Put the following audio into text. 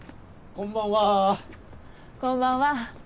こんばんは。